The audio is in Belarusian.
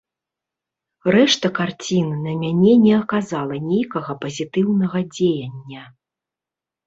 Рэшта карцін на мяне не аказала нейкага пазітыўнага дзеяння.